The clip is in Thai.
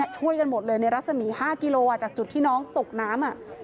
ช่วยกันหมดเลยในรัศมี๕กิโลจากจุดที่น้องตกน้ำ